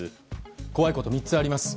怖いことが３つあります。